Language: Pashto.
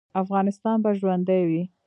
افغانستان به ژوندی وي